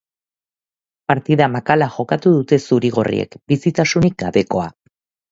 Partida makala jokatu dute zuri-gorriek, bizitasunik gabekoa.